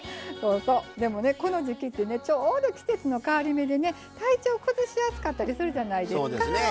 そうそうでもねこの時期ってねちょうど季節の変わり目でね体調を崩しやすかったりするじゃないですか。